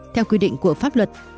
theo quy định của pháp luật